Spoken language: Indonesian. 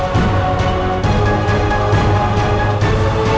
kau mau nikah sama aku